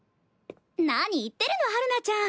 何言ってるの陽菜ちゃん！